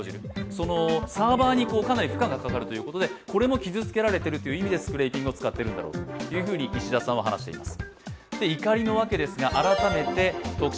そのサーバーにかなり負荷がかかるということでこれも傷つけられているという意味でスクレイピングを使っているんだろうと石田さん話しています。